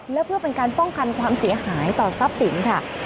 และเพื่อเป็นการป้องกันความเสียหายต่อทรัพย์สินค่ะ